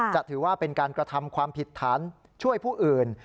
จะถือว่าเป็นการกระทำความผิดฐานช่วยผู้อื่น